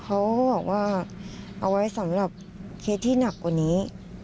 เขาบอกว่าเอาไว้สำหรับเคสที่หนักกว่านี้